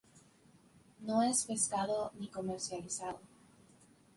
No es pescado ni comercializado.